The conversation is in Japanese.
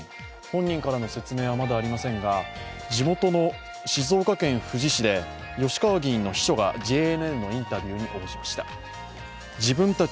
本人からの説明はまだありませんが、地元の静岡県富士市で吉川議員の秘書がＪＮＮのインタビューに応じました。